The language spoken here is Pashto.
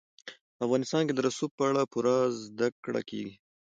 په افغانستان کې د رسوب په اړه پوره زده کړه کېږي.